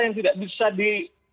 yang tidak bisa di